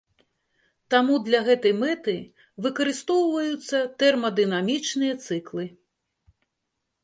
Таму для гэтай мэты выкарыстоўваюцца тэрмадынамічныя цыклы.